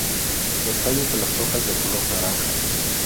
Los tallos de las hojas de color naranja.